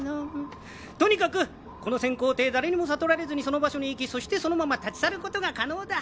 とにかくこの潜航艇誰にも悟られずにその場所に行きそしてそのまま立ち去ることが可能だ。